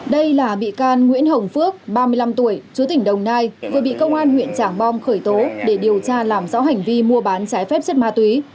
đây là bị can nguyễn hồng phước ba mươi năm tuổi chú tỉnh đồng nai vừa bị công an huyện trảng bom khởi tố để điều tra làm rõ hành vi mua bán trái phép chất ma túy